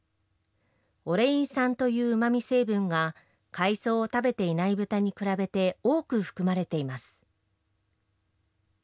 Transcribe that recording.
オレイン酸といううまみ成分が、海藻を食べていない豚に比べて多く含まれています。